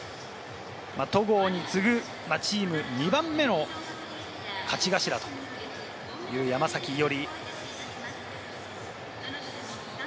戸郷に次ぐチーム２番目の勝ち頭という山崎伊織。